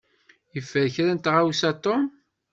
Yeffer kra n tɣawsa Tom.